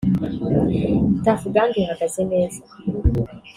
Tuff Gang ihagaze neza